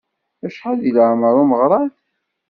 Acḥal deg leεmer umeɣrad?